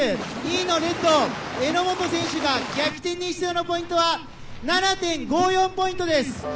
２位のレッド榎本選手が逆転に必要なポイントは７．５４ポイントです。